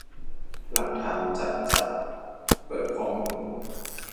หลักฐานจะจะ!เปิดข้อมูล